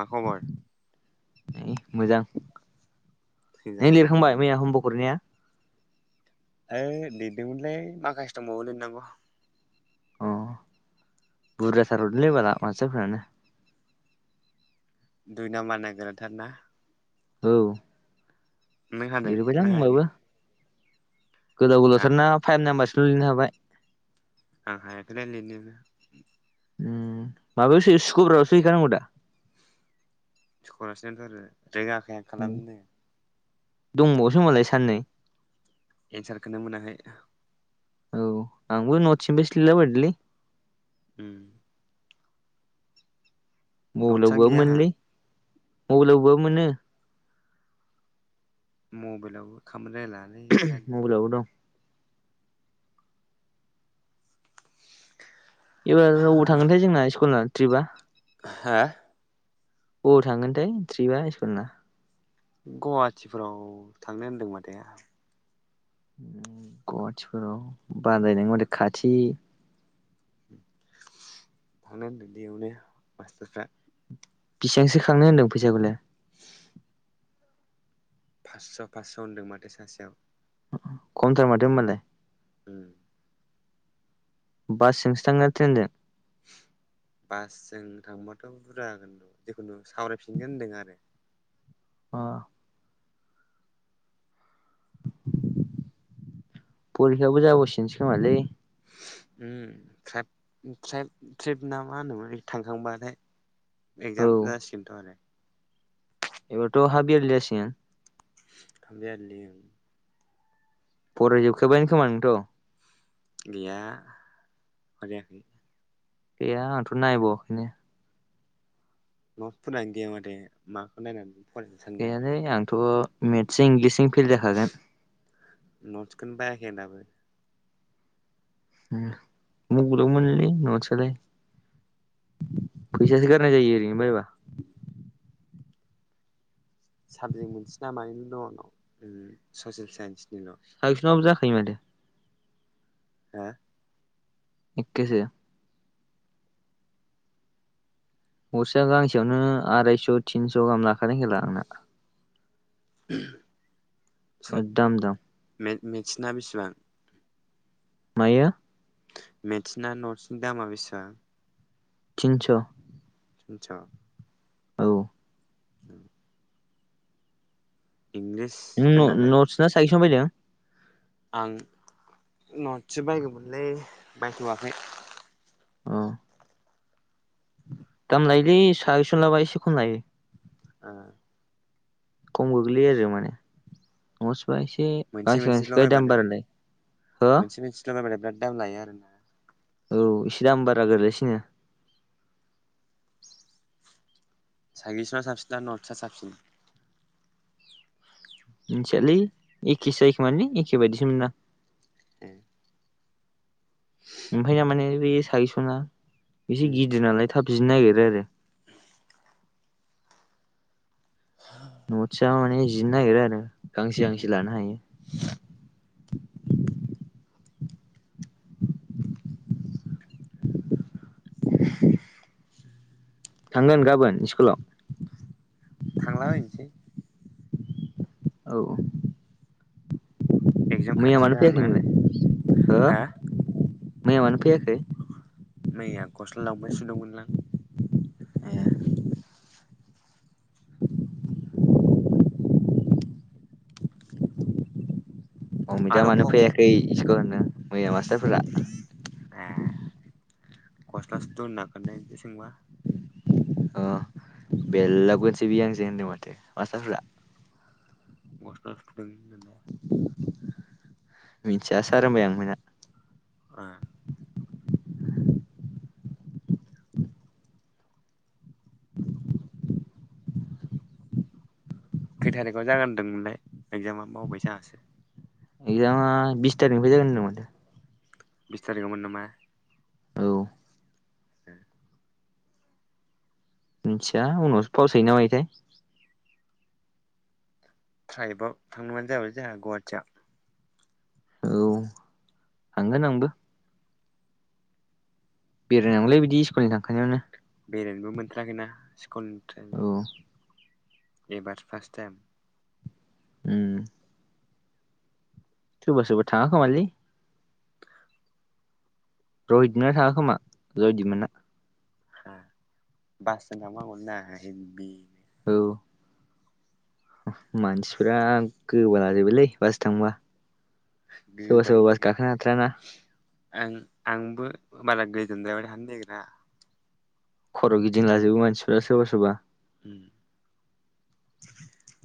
मा खबर? ओइ मोजां थैजा नों लिरखांबाय मैया हम वार्क हरनाया? ओइ लिरदोंमोनलै माखासे दबावो लिरनांगौ अ बुरजाथार हरदोंलै बाला मासटारफोरानो। दुइ नाम्बारना गोराथार ना? औ। नो हादों लिरबायलां ना हायाखै? होनबाबो गोलाव आं गोलावथार ना फाइभ नाम्बारसोल लिरनो हाबाय। आं हायाखैलै लिरनोनो। उम माबायावसो सुक्रबारावसो हैखानांगौ दा? सुख्रबारावसो हैगोनथ आरो रोङाखै आं खालामनोनो। दंबावोसो ओमबालाय साननै एन्सारखौनो मोनाखै। औ आंबो नत्सनिफ्रायसो लिरला बायदोंलै। उम मबाइलाव नटसानो बोबाबो गैया आंहा मोनोलै मबाइलाव बोबाबो मोनो। मबाइलावबो [unintelligible] मबाइलावबो दं एबार बबाव थांगोनथाय जोंना स्कुला ट्रिपा? हा? बबाव थांगोनथाय थ्रिपा स्कुलना। गुवाहाटिफोराव थांनो होनदों माथो गुवाहाटिफोराव खाथि [unintelligible] बेसेबांसो खांनो होन्दों फैसाखौलाय? फास्स' फास्स' होनदों माथो सासेयाव खमथार माथो होनोमबालाय उम बासजोंसो थांगोनना ट्रेनजों? बासजों थांबाथ' बुरजा जागोन' जिखुनु सावरायफिनगोन होनदों आरो। अ परिखायाबो जाबावसिगोनसो खोमालै। उम ट्राइब ट्राइब ट्रेप ना मा होनो बे थांखांबाथाय औ एक्जाम जासिगोनथ' आरो। एबारथ' हाफ यारलि जासिगोन [unintelligible] फरायजोबखाबायानो खोमा नोंथ'? गैया फरायाखै गैया आंहाथ' नायबावाखैनो। नट फोरानो गैया माथो माखौ नायनानै लिर गैयालै आंथ' मेथ्स इंलिसजों फेल जाखागोन। न'थसखोन बायाखै दाबो मगल मोनोलै नटसालाय फैसासो गार नाय जायो ओरैनो बायबा साबजेक्ट मोनसै नामानिनो दंनाव ससियेल साइन्सनि साजेसनानो जाखायो माथो हा एखेसो गस्सेया गांसेयावनो आरायस' थिनस' गाहाम लाखानाय खेला आंना [inaudible] एदाम दाम मेसिना बेसेबां मया मेटसना नटसनि दामा बेसेबां? टिनस' आनचा औ औ नों इंलिसफोरनालाय नथसा साइसआव फैदों। आं नटसो बायगौमोनलै बायथ'वाखै अ दाम लायोलै सागेसन लाबा एसे खम लायो। ओ खम गोग्लैयो आरो माने न'आवसोबा एसे गांसे गांसेखाय दाम बारालाय हो मोनसे मोनसेल' बायबाथाय बिराद दाम लायो आरो ना औ एसे दाम बारा गोरलैसिनो सागेसा साबसिन दा नर्थ्सआ साबसिन मिथियालै एखेसो जायो खोमालै एखेसो बायदि मोनदां ए ओमफ्राय ना माने बे सागेसना एसे उम गिदिर नालाय थाब जिनो नागिरो आरो नसया माने जिरनो नागिरो आरो गांसे गांसे उम लानो हायो [unintelligible] थांगोन गाबोन स्कुलाव थांलाबायनोसै औ एगजाम खाथि मैयानो आंना फैयाखै नोंलाय हो हा मैयानो फैयाखै मै आगस्ट लावबायसो दंमोनलां ए अमिता आरो ह मानो ह फैयाखै स्कुल होनो मैया मास्टारफोरा कस्लास द नागोननाय सिगबा बेेरलागोनसै बिहांसै होनदों माथो मास्टारफ्रा [unintelligible] मिथिया सार होनबाय आं मोनना [unintelligible] खै थारिखआव जागोन होनदोंमोनलाय एगजामा मावबाय आंहासो एक्जामा बिस तारिखनिफ्राय जागोन होन्दों माथो। बिस्तारखौ मोन नामा? औ [inaudible] मिथिया उनावसो फावसाय हैैना बायोथाय? ट्राइबआव थांनोबानो जाबैाय जोंहा गुवाहाटियाव औ थांगोन आंबो बेरायनांगलै बिदि स्कुलनि थांखानायावनो बेरायनोबो मोनथेराखैना स्कुलनि औ टमजों एबार फार्स्ट टाइम उम सरबा सरबा थांङा खोमालै रहितमोनना थाङा खोमा रहिदिमोना बासजों थांबा हामगौलै ना हेबभिनो औ मानसिफोरा गोबा लाजोबबायलै बास थांबा सोरबा सोरबा बास गोबायो गाखोनो हाथारा ना आं आंबो बारा गोजानाव हानो नागिरा खर' गिदिं जोबो मानसिफ्रा सोरबा सोरबा उम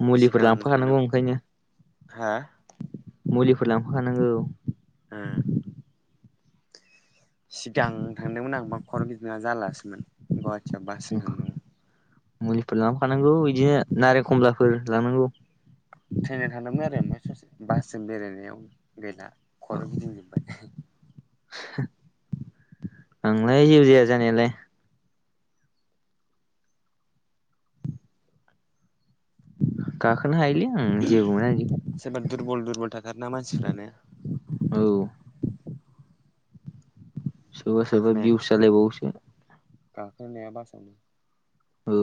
मुलिफोर सिगां थांदों दानफाखानांगौ ओंखायनो हा मुलिफोर लांफाखानांगौ ओ सिगां थांदोंमोन आंबा खर' गिदिं जालासोमोन बास जों थादोंमोन मुलिफोर लांफानांगौ बिदिनो नारें खमलाफोर लांनांगौ ट्रेनाव थांदोंमोन आरो ओमफ्राय ससे बासजों बेरायनायाव बेरायला खर गिदिंजोबबाय [unintelligible] आंलाय जेबो जाया जानायालाय गाखोनो हायोलै आं जेबो मोना बिदिखौ सोरबा दुरबल दुरबल थाखार ना मानसिफ्रानो औ सोरबा सोरबा गाखोनाया भिउस जालायबावबायसो गाखोनाया बासावनो औ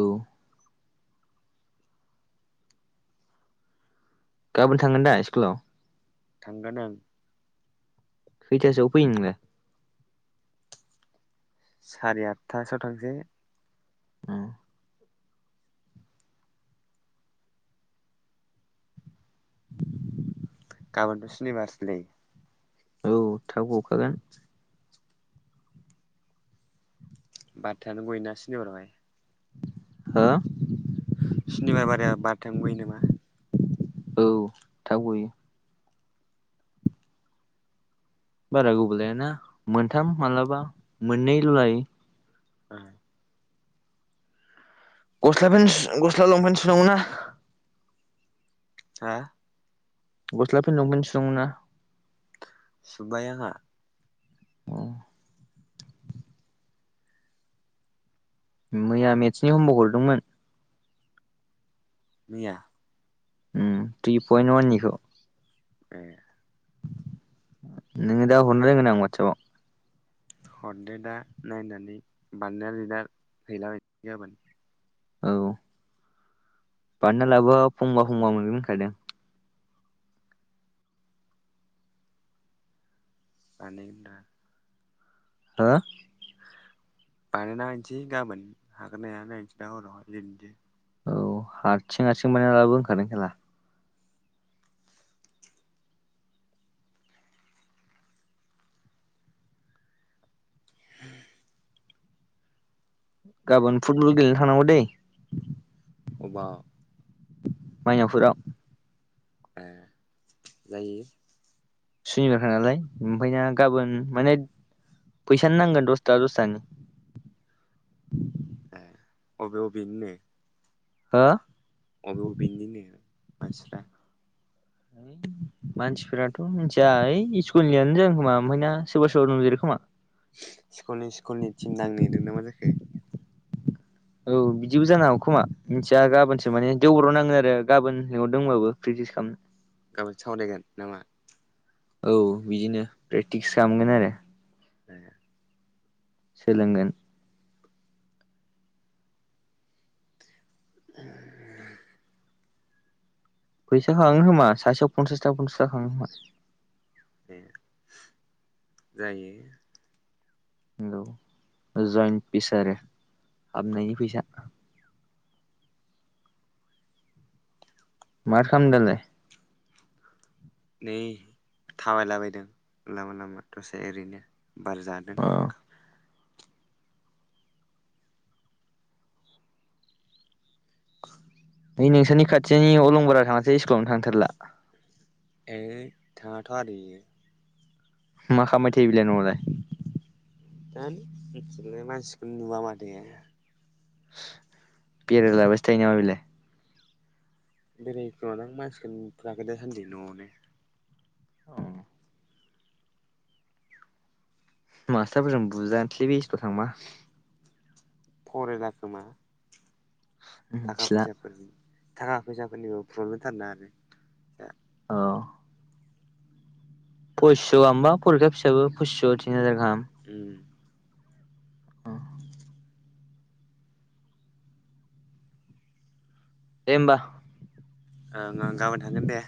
गाबोन थांगोन दा स्कुलाव थांगोन ओ खैथासोआव फैनो नोंलाय? सारे आतथासोआव थांसै ओ गाबोनथ' सुनिबारसोलै औ थाब गावखागोन बारथथायानो गयोना सुनिबारआवहाय हो सुनिबार बाराया बारथथायावनो गयो नामा औ थाब गयो बारा गोबाव लायाना मोनथाम मालाबा मोननैल' लायो ओ गस्ला पेन्टस गस्ला लंपेन्ट सुनांगौ ना हा गस्लाफोर [unintelligible] सुबाय आंहा मैया मेटसनि हमभुक हरदोंमोन मैया उम थ्रि पयेन उवाननिखौ ए नोंनो दा हरना दोनगोन आं वाटसाबाव हरदो दा नायनानै [unintelligible] हैलाबाय गाबोन औ बानायना लाबोआ फंबा फंबा मोनगोन होनखादों बानायगोन दा हो बानायना हैनिसै गाबोन हागोनना हाया नायनिसै दा हरावहाय लिददो औ हातसिं हातसिं बानायना लाबो ओंखादों खेला [unintelligible] गाबोन फुटबल गेलेनो थानांगौ दै अबाव माइनावफुराव ए जायो सुनिबारखा नालाय ओमफायना गाबोन माने [unintelligible] फैसानि नांगोन दसथाखा दसथाखानि ए अबे अबेनिनो ओ अबे अबेनिनो मानसिफ्रा [unintelligible] मानसिफोराथ' मिनथिया ओइ स्कुलनियानो जागोन खोमा ओमफायना सोरबा सोरबा दंदेरो खोमा स्कुलनि स्कुलनि टिम नांनो नागिरदों ना मा जाखो औ बिदिबो जानो हागौ खोमा मिनथिया गाबोनसो माने देवबाराव नांङो आरो गाबोन लेंहरदों होमबाबो फ्रि इस खामनो गाबोन सावरायगोन नामा औ बिदिनो प्रेक्टिस खालामगोन आरो [unintelligible] सोलोंगोन [unintelligible] फैसा खांङो खोमा सासेयाव पनसासथाखा पनसास थाखा खांङो खोमा ए जायो नोंगौ जइन्ट पिस आरो हाबनायनि फैसा माथो [unintelligible] दालाय नै थाबायलाबायदों लामा लामा दसे एरैनो बार जादों अ ओइ नोंसोरनि खाथिनि अलंबारा थाङासै स्कुलावनो थांथारला। ओइ थाङाथ' आरो इयो। मा खालामबाय थायो बिलाय न‌आवलाय? [inaudible] जानो मिथिया मानसिखौ नुवा माथो। बेरायलाबायसो थायो नामा बिलाय? बेरायो खोमा दां मानसिखौनो नुथाराखै दा सान्दि न'आवनो। अ मास्टारफोरजों बुजानोसैै लै बे स्कुल' थांबा। फरायला खोमा। थाखा मिथिला फैसाफोरनि थाखा फैसाफोरनिबो प्रब्लेमथारना आरो। अ पसिस' गाहामबा फरिखा फिसाबो पस्स' थिन हाजार गाहाम। ओम उम दे होमबा ओं ओं गाबोन थांगोन दे।